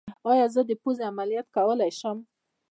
ایا زه د پوزې عملیات کولی شم؟